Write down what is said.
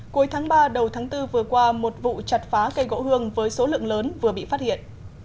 cuối tháng ba đầu tháng bốn vừa qua một vụ chặt phá cây gỗ hương với số lượng lớn vừa bị phát hiện